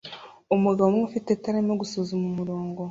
Umugabo umwe ufite itara arimo gusuzuma umurongo